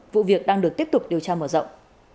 vụ việc đang được tiếp tục điều tra mở rộng